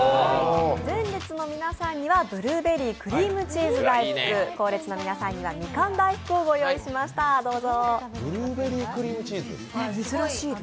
前列の皆さんにはブルーベリークリームチーズ大福、後列の皆さんには、みかん大福をご用意しました、どうぞ。